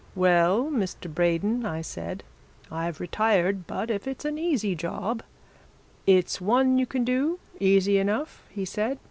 'Well, Mr. Braden,' I said, 'I've retired, but if it's an easy job ' 'It's one you can do, easy enough,' he said.